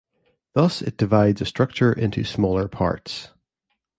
Thus it divides a structure into smaller parts.